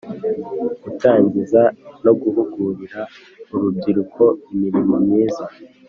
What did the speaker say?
Gutangiza no guhugurira urubyiruko imirimo myiza